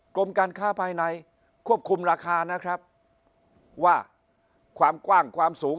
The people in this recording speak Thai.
กรมการค้าภายในควบคุมราคานะครับว่าความกว้างความสูง